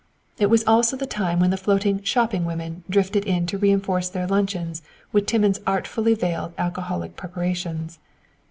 It was also the time when the floating "shopping women" drifted in to reinforce their luncheons with Timmins' artfully veiled alcoholic preparations.